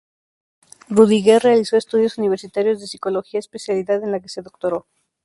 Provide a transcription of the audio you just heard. Rüdiger realizó estudios universitarios de Psicología, especialidad en la que se doctoró.